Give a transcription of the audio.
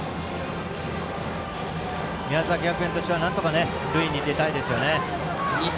宮崎学園としてはなんとか塁に出たいですね。